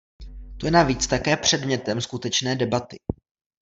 To je navíc také předmětem skutečné debaty.